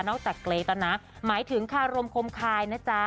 นอกจากเกรดตอนนั้นหมายถึงคารมคมคายนะจ๊ะ